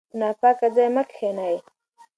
په ناپاکه ځای کې مه کښینئ.